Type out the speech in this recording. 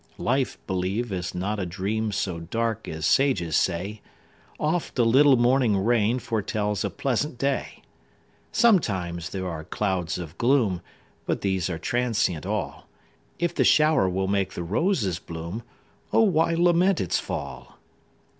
Life, believe, is not a dream So dark as sages say; Oft a little morning rain Foretells a pleasant day. Sometimes there are clouds of gloom, But these are transient all; If the shower will make the roses bloom, O why lament its fall?